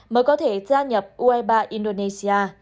mới có thể gia nhập u hai mươi ba indonesia